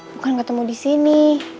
bukan ketemu di sini